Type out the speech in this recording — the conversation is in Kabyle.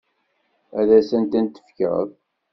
Ad asent-tent-tefkeḍ?